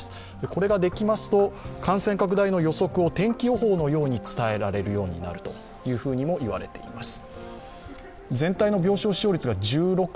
これができますと、感染拡大の予測を天気予報のように伝えられるようになるとも言われています。